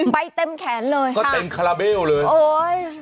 ไปเต็มแขนเลยค่ะก็เต็มคาราเบลเลย